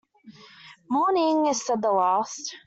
“Morning,” said the last.